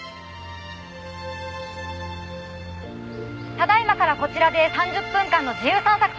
ただ今からこちらで３０分間の自由散策となります。